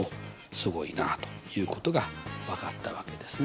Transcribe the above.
すごいなということが分かったわけですね。